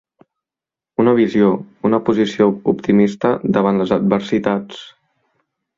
Una visió, una posició optimista davant les adversitats.